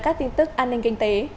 các tin tức an ninh kinh tế